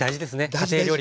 家庭料理は。